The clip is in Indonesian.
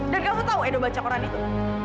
dan kamu tahu edo baca koran itu